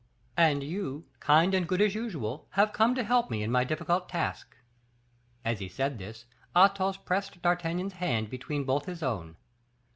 "And you, kind and good as usual, have come to help me in my difficult task." As he said this, Athos pressed D'Artagnan's hand between both his own.